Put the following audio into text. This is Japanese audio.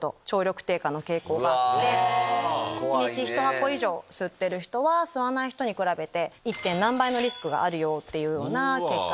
１日１箱以上吸ってる人は吸わない人に比べて１点何倍のリスクがあるよっていう結果が。